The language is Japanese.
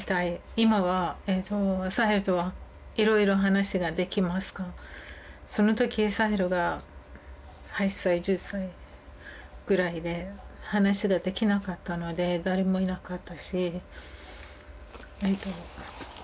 今はサヘルとはいろいろ話ができますがその時サヘルが８歳１０歳ぐらいで話ができなかったので誰もいなかったし。